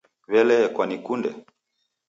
W'elee kwanikunde?